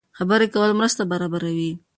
خبرې کول مرسته برابروي.